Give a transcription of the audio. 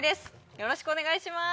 よろしくお願いします